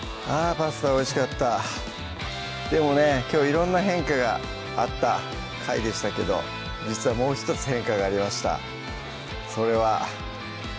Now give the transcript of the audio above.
パスタおいしかったでもねきょう色んな変化があった回でしたけど実はもう１つ変化がありました